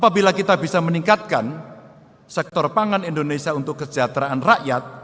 apabila kita bisa meningkatkan sektor pangan indonesia untuk kesejahteraan rakyat